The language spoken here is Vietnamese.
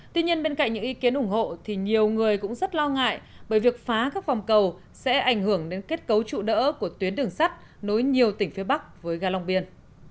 tuy nhiên bên cạnh những ý kiến ủng hộ thì nhiều người cũng rất lo ngại bởi việc phá các vòng cầu sẽ ảnh hưởng đến kết cấu trụ đỡ của tuyến đường sắt nối nhiều tỉnh phía bắc với ga long biên